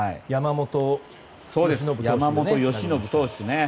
山本由伸投手ですよね。